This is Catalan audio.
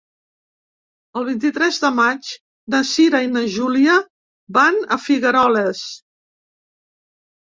El vint-i-tres de maig na Cira i na Júlia van a Figueroles.